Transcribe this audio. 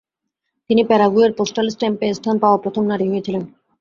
তিনি প্যারাগুয়ের পোস্টাল স্ট্যাম্পে স্থান পাওয়া প্রথম নারী হয়েছিলেন।